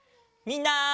みんな。